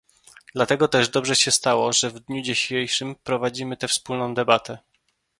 Dlatego też dobrze się stało, że w dniu dzisiejszym prowadzimy tę wspólną debatę